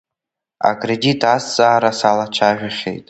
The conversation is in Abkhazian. Акредит азҵаара салацәажәахьеит.